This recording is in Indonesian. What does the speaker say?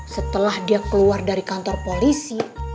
setelah dia keluar dari kantor polisi